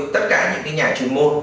tất cả những cái nhà chuyên môn